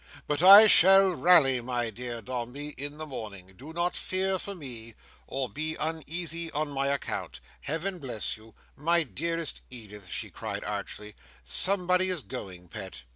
But I shall rally, my dear Dombey, in the morning; do not fear for me, or be uneasy on my account. Heaven bless you! My dearest Edith!" she cried archly. "Somebody is going, pet."